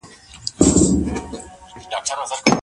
زما پر زړه ستا درود لکه شکره راسي